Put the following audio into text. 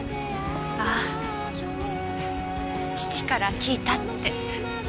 ああ父から聞いたって。